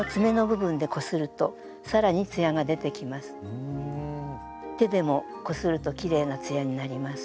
このときに手でもこするときれいなツヤになります。